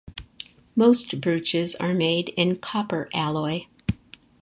Most brooches are made in copper alloy.